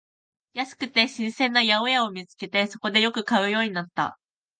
安くて新鮮な八百屋を見つけて、そこでよく買うようになった